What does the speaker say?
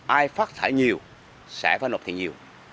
ai phát thải nhiều sẽ phải nộp tiền nhiều